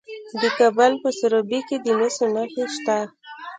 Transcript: د کابل په سروبي کې د مسو نښې شته.